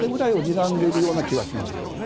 そこまでぐらいをにらんでいるような気がしますけどね。